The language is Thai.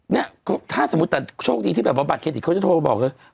เนี่ยถ้าสมมุติแต่โชคดีที่แบบว่าบัตรเครดิตเขาจะโทรมาบอกเลย